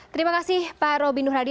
terima kasih pak robin uhladi